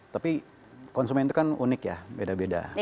tapi konsumen itu kan unik ya beda beda